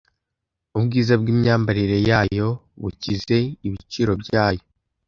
Ubwiza bwimyambarire yayo, bukize ibiciro byayo,